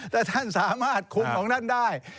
แต่ท่านสามารถคุมของท่านได้